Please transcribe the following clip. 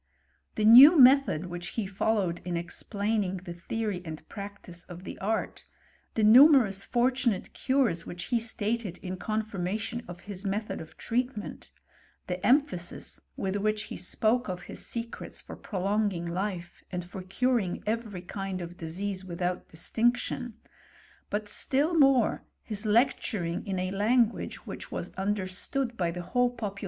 The new method which he followed in explaining the theory and practice of the art ; the numerous fortunate cures which he stated in confirmation of his method of treat ment ; the emphasis with which he spoke of his secrets for prolonging life, and for curing every kind of dis ' ease without distinction, but still more his lecturing in a language which was understood by the whole popu